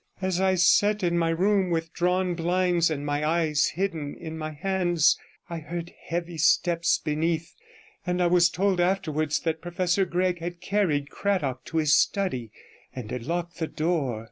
As I sat in my room with drawn blinds, and my eyes hidden in my hands, I heard heavy steps beneath, and I was told afterwards that Professor Gregg had carried Cradock to his study, and had locked the door.